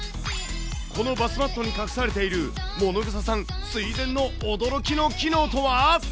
このバスマットに隠されている、ものぐささん垂ぜんの驚きの機能とは？